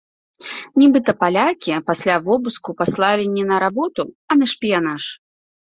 Нібыта палякі пасля вобыску паслалі не на работу, а на шпіянаж.